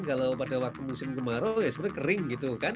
kalau pada waktu musim kemarau ya sebenarnya kering gitu kan